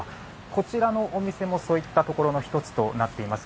こちらのお店もそういったところの１つとなっています。